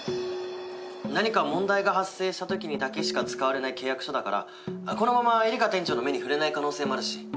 何か問題が発生したときにだけしか使われない契約書だからこのままエリカ店長の目に触れない可能性もあるし。